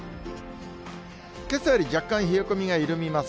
けさより若干冷え込みが緩みます。